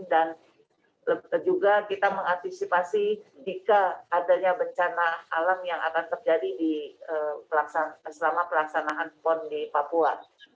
dan juga kita mengaktivasi jika adanya bencana alam yang akan terjadi selama pelaksanaan pon di papua